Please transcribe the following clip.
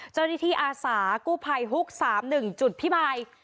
เจ้าหน้าที่อาสากู้ภัยฮุกสามหนึ่งจุดพี่มาย